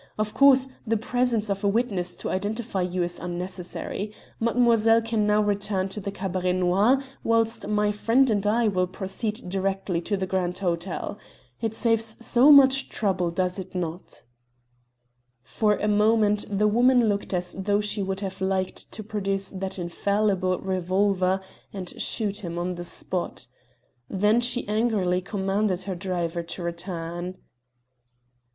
Of course, the presence of a witness to identify you is unnecessary. Mademoiselle can now return to the Cabaret Noir, whilst my friend and I will proceed direct to the Grand Hotel. It saves so much trouble, does it not?" For a moment the woman looked as though she would have liked to produce that infallible revolver and shot him on the spot. Then she angrily commanded her driver to return.